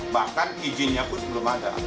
bahkan izinnya pun belum ada